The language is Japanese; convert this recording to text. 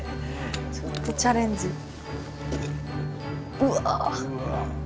うわ。